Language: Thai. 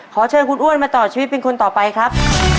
ขอเชิญคุณอ้วนมาต่อชีวิตเป็นคนต่อไปครับ